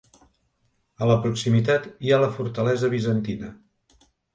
A la proximitat hi ha la fortalesa bizantina.